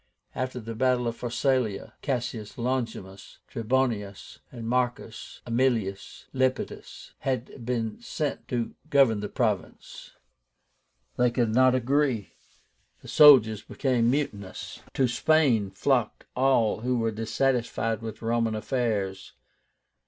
After the battle of Pharsalia, Cassius Longinus, Trebonius, and Marcus Aemilius Lepidus had been sent to govern the province. They could not agree. The soldiers became mutinous. To Spain flocked all who were dissatisfied with Roman affairs.